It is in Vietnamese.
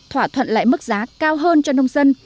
thỏa thuận lại mức giá cao hơn cho nông dân